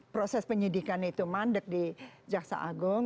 proses penyelidikan itu mandat di jaksa agung